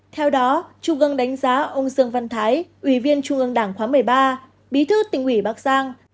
theo đó trung ương đánh giá ông dương văn thái ủy viên trung ương đảng khóa một mươi ba bí thư tỉnh ủy bắc giang